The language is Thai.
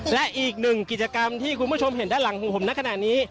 และอีกหนึ่งกิจกรรมที่คุณผู้ชมเห็นด้านหลังของผมในขณะนี้